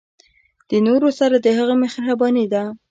د نورو سره د هغه مهرباني ده.